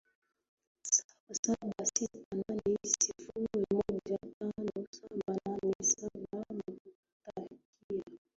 saba sita nne sifuri moja tano saba nne saba nakutakia